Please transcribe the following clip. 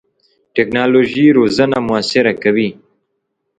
ټکنالوژي روزنه موثره کوي.